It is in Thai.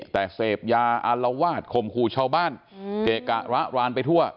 แต่เสพยาอารวาสข่มขู่ชาวบ้านเกะกะระรานไปทั่ว